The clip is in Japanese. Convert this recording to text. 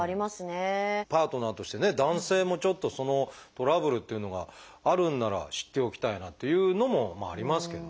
パートナーとしてね男性もちょっとそのトラブルっていうのがあるんなら知っておきたいなっていうのもありますけどね。